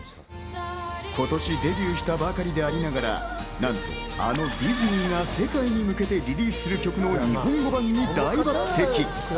今年デビューしたばかりでありながら、なんと、あのディズニーが世界に向けてリリースする曲の日本語版に大抜擢。